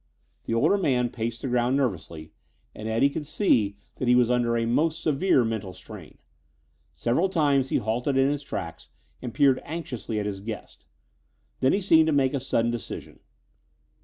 The older man paced the ground nervously, and Eddie could see that he was under a most severe mental strain. Several times he halted in his tracks and peered anxiously at his guest. Then he seemed to make a sudden decision.